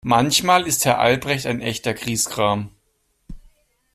Manchmal ist Herr Albrecht ein echter Griesgram.